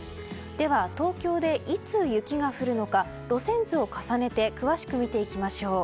では東京でいつ雪が降るのか路線図を重ねて詳しく見ていきましょう。